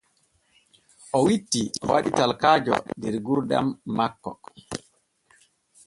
O witti o waɗi talakaajo der gurdam makko.